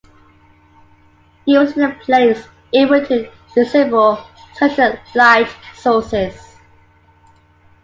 Usually the player is able to disable certain light sources.